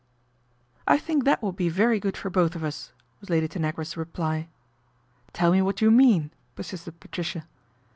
" I think that would be very good for both of us," was Lady Tanagra's reply. " Tell me what you mean," persisted Patricia.